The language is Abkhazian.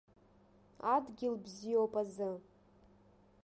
Адгьыл бзиоуп азы.